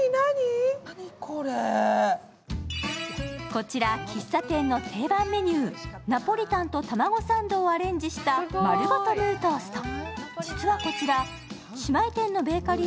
こちら喫茶店の定番メニュー、ナポリタンと卵サンドをアレンジしたまるごとムートースト。